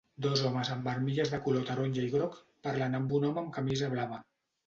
Dos homes amb armilles de color taronja i groc parlen amb un home amb camisa blava.